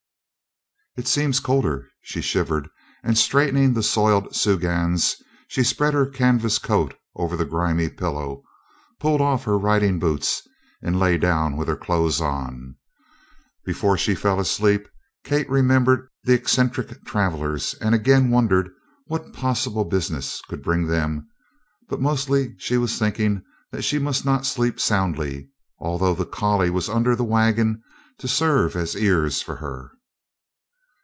"It seems colder." She shivered, and straightening the soiled soogans, she spread her canvas coat over the grimy pillow, pulled off her riding boots and lay down with her clothes on. Before she fell asleep Kate remembered the eccentric travelers, and again wondered what possible business could bring them, but mostly she was thinking that she must not sleep soundly, although the collie was under the wagon to serve as ears for her.